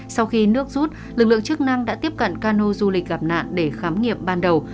sau khi nước rút lực lượng chức năng đã tiếp cận cano du lịch gặp nạn để khám nghiệm ban đầu